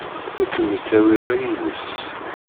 Ur kem-yettawi ara yid-s